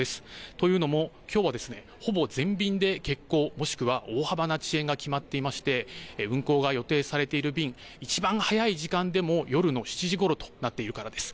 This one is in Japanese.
というのもきょうはほぼ全便で欠航もしくは大幅な遅延が決まっていまして運航が予定されている便、いちばん早い時間でも夜の７時ごろとなっているからです。